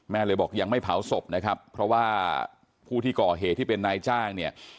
แม่เลยบอกยังไม่เผาศพนะครับเพราะว่าผู้ที่ก่อเหตุที่เป็นนายจ้างเนี่ย